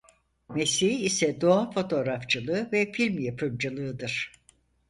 Mesleği ise doğa fotoğrafçılığı ve film yapımcılığıdır.